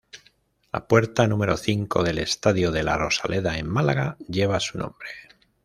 La puerta número cinco del estadio de La Rosaleda en Málaga lleva su nombre.